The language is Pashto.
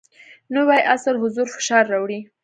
نوی عصر حضور فشار راوړی.